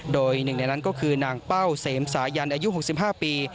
โดยหนึ่งในนั้นก็คือนางเป้าเสมสายันอายุ๖๕ปี